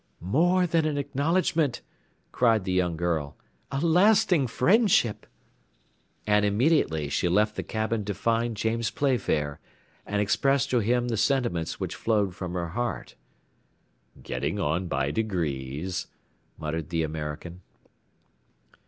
"More than an acknowledgment," cried the young girl; "a lasting friendship!" And immediately she left the cabin to find James Playfair, and express to him the sentiments which flowed from her heart. "Getting on by degrees," muttered the American.